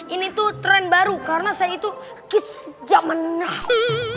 ini tuh tren baru karena saya itu kis zaman now